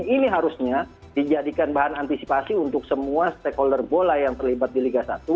ini harusnya dijadikan bahan antisipasi untuk semua stakeholder bola yang terlibat di liga satu